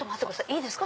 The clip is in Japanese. いいですか？